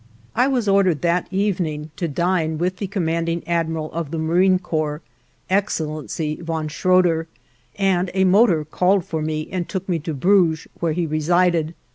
I was ordered that evening to dine with the Commanding Admiral of the Marine Corps, Excellency von Schröder, and a motor called for me and took me to Brügge where he resided.